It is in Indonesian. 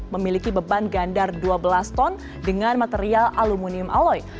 memiliki beban gandar dua belas ton dengan material aluminium aloy